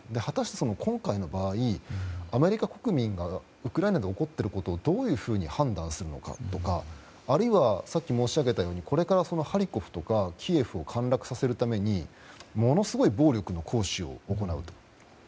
果たして、今回の場合アメリカ国民がウクライナで起こっていることをどう判断するのかとかさっき申し上げたようにこれからハリコフとかキエフを陥落させるためにものすごい暴力の行使を行うと。